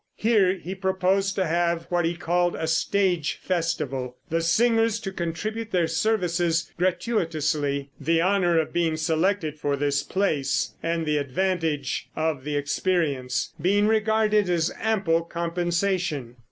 Here he proposed to have what he called a stage festival the singers to contribute their services gratuitously, the honor of being selected for this place, and the advantage of the experience, being regarded as ample compensation.